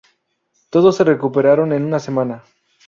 Todos se recuperaron en una semana.